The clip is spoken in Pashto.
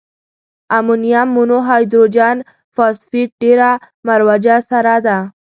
امونیم مونو هایدروجن فاسفیټ ډیره مروجه سره ده.